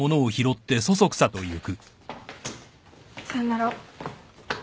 ・さよなら。